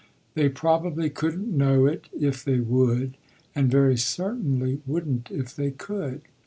They probably couldn't know it if they would, and very certainly wouldn't if they could.